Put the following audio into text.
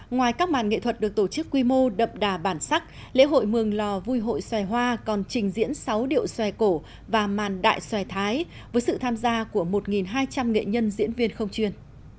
ngoài các màn nghệ thuật được tổ chức quy mô đậm đà bản sắc lễ hội mường lò vui hội xoài hoa còn trình diễn sáu điệu xoài cổ và màn đại xoài thái với sự tham gia của một hai trăm linh nghệ nhân diễn viên không chuyên